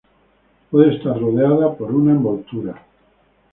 Puede estar rodeada por una envoltura.